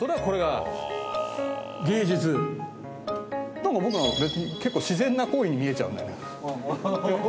どうも僕は別に結構自然な行為に見えちゃうんだよな。